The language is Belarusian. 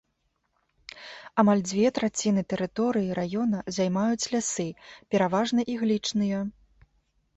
Амаль дзве траціны тэрыторыі раёна займаюць лясы, пераважна іглічныя.